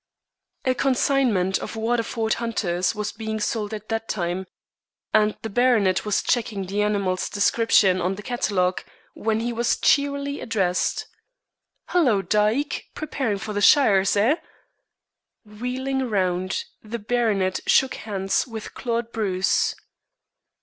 A consignment of Waterford hunters was being sold at the time, and the baronet was checking the animals' descriptions on the catalogue, when he was cheerily addressed: "Hallo, Dyke, preparing for the shires, eh?" Wheeling round, the baronet shook hands with Claude Bruce.